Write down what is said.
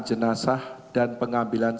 jenazah dan pengambilan